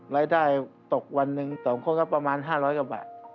รายได้ตกวันหนึ่ง๒คนก็ประมาณ๕๐๐กว่าบาท